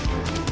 member apa bisa